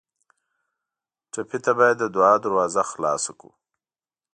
ټپي ته باید د دعا دروازه خلاصه کړو.